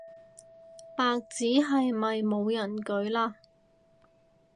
白紙係咪冇人舉嘞